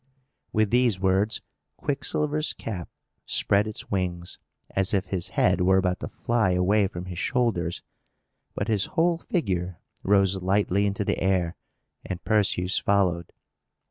With these words, Quicksilver's cap spread its wings, as if his head were about to fly away from his shoulders; but his whole figure rose lightly into the air, and Perseus followed.